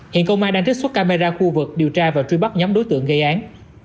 hiện công an đang trích xuất camera khu vực điều tra và truy bắt nhóm đối tượng gây án